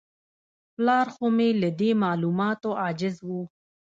پلار خو مې له دې معلوماتو عاجز و.